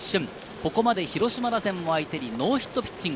ここまで広島打線を相手にノーヒットピッチング。